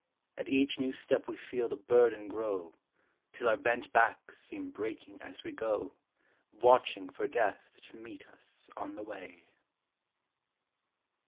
At each new step we feel the burden grow, Till our bent backs seem breaking as we go, Watching for Death to meet us on the way.